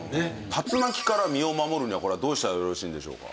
竜巻から身を守るにはこれはどうしたらよろしいんでしょうか？